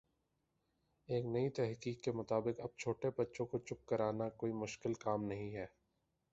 ایک نئی تحقیق کے مطابق اب چھوٹے بچوں کو چپ کر آنا کوئی مشکل کام نہیں ہے